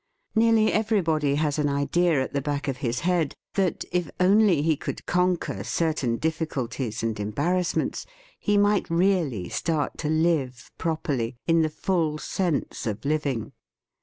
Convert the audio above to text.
Nearly everybody has an idea at the back of his head that if only he could conquer certain difficulties and embarrassments, he might really start to live properly, in the full sense of living.